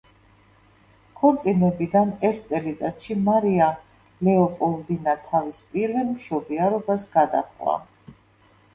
ქორწინებიდან ერთ წელიწადში მარია ლეოპოლდინა თავის პირველ მშობიარობას გადაჰყვა.